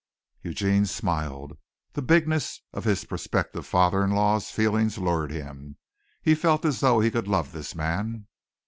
Eugene smiled. The bigness of his prospective father in law's feelings lured him. He felt as though he could love this man.